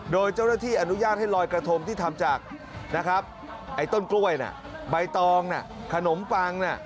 โดยเจ้าหน้าที่อนุญาตให้รอยกระทงที่ทำจากไอ้ต้นกล้วยใบตองขนมปัง